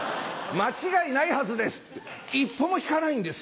間違いないはずです」って一歩も引かないんですよ。